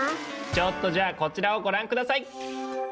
ちょっとじゃあこちらをご覧下さい！